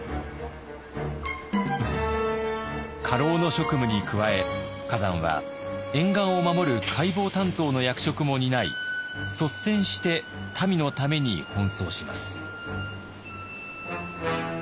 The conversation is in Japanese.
家老の職務に加え崋山は沿岸を守る海防担当の役職も担い率先して民のために奔走します。